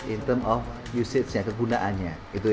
in term of usage nya kegunaannya